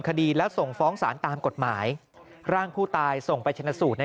คดีแล้วส่งฟ้องสารตามกฎหมายร่างผู้ตายส่งไปชนะสูตรใน